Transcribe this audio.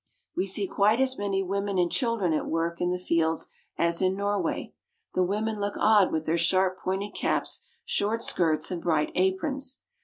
We see quite as many women and children at work in the fields as in Norway. The women look odd with their sharp pointed caps, short skirts, and bright aprons.